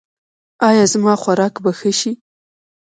ایا زما خوراک به ښه شي؟